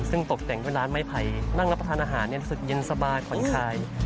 ซึ่งตกแต่งด้วยร้านไม้ไผ่นั่งรับประทานอาหารรู้สึกเย็นสบายผ่อนคลาย